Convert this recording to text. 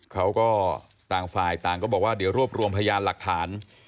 เขาก็ต่างฝ่ายต่างก็บอกว่าเดี๋ยวรวบรวมพยานหลักฐาน